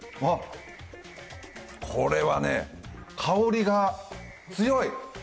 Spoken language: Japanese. あっ、これはね、香りが強い。